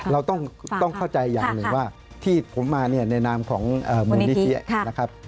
เราต้องเข้าใจอย่างหนึ่งว่าที่ผมมาเนี่ยในนามของมูลนิธินะครับ